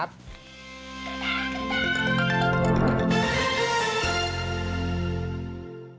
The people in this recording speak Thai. ไปก่อนนะสวัสดีค่ะ